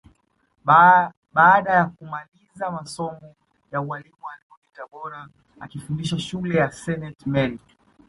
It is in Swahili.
Baada ya kumaliza masomo ya ualimu alirudi Tabora akifundisha shule ya Senti Meri